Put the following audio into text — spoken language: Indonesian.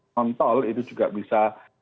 kontrol itu juga bisa